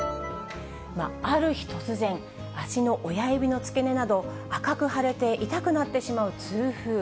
ある日突然、足の親指の付け根など、赤く晴れて、痛くなってしまう痛風。